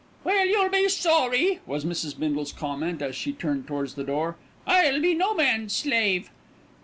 "Well, you'll be sorry," was Mrs. Bindle's comment, as she turned towards the door. "I'll be no man's slave."